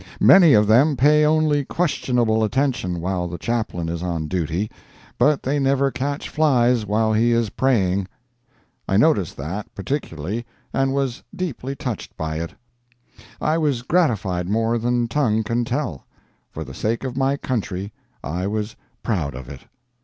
Many of them pay only questionable attention while the Chaplain is on duty, but they never catch flies while he is praying. I noticed that, particularly, and was deeply touched by it; I was gratified more than tongue can tell; for the sake of my country, I was proud of it.